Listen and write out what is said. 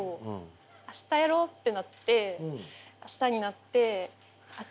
明日やろうってなって明日になってあっ